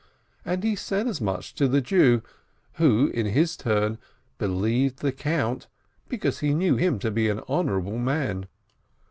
And he said as much to the Jew, who, in his turn, believed the Count, because he knew him to be an honorable man.